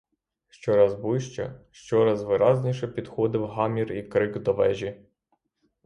Щораз ближче, щораз виразніше підходив гамір і крик до вежі.